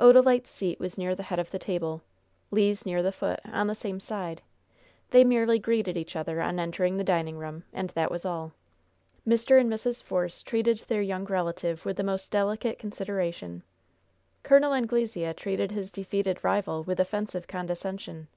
Odalite's seat was near the head of the table. Le's near the foot, on the same side. They merely greeted each other on entering the dining room, and that was all. Mr. and Mrs. Force treated their young relative with the most delicate consideration. Col. Anglesea treated his defeated rival with offensive condescension.